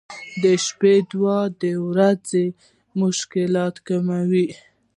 • د شپې دعا د ورځې مشکلات کموي.